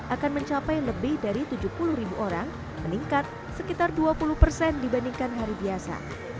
akan mencapai lebih dari tujuh puluh ribu orang meningkat sekitar dua puluh persen dibandingkan hari biasa